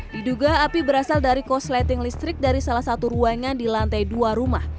diduga api berasal dari kosleting listrik dari salah satu ruangan di lantai dua rumah